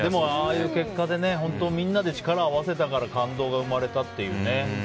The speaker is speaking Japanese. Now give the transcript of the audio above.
ああいう結果がみんなで力を合わせたから感動が生まれたっていうね。